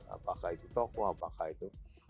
apakah itu toko apakah itu